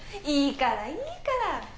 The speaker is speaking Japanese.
いいからいいから。